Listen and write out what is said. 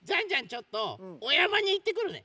ちょっとおやまにいってくるね。